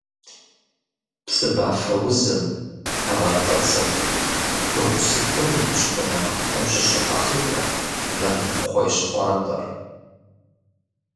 Псыбафэузым, тэмакъыдзэм, пыхусыхум я хущхъуэ нэхъыфӏхэм щыщу къалъытэ матэкхъуейщхъуантӏэр.